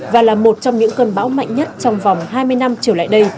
và là một trong những cơn bão mạnh nhất trong vòng hai mươi năm trở lại đây